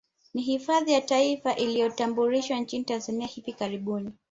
Ni hifadhi ya Taifa iliyotambulishwa nchini Tanzania hivi karibuni